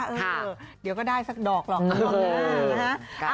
เออเดี๋ยวก็ได้สักดอกหรอก